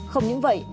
không những vậy